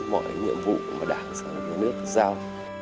mọi nhiệm vụ mà đảng xã hội nước giao